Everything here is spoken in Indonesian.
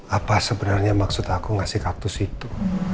apa sebenarnya maksud aku ngasih kaktus itu